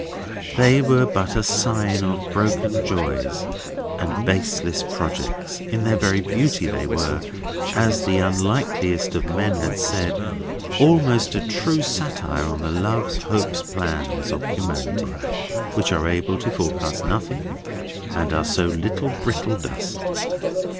They were but a sign of broken joys and baseless projects; in their very beauty they were (as the unlikeliest of men had said) almost a cruel satire on the loves, hopes, plans, of humanity, which are able to forecast nothing, and are so much brittle dust.